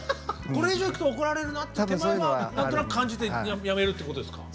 これ以上いくと怒られるなっていう手前は何となく感じてやめるっていうことですか？